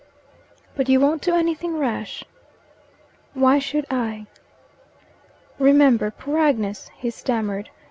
"But you won't do anything rash?" "Why should I?" "Remember poor Agnes," he stammered.